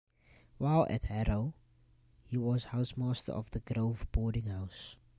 While at Harrow, he was housemaster of The Grove boarding house.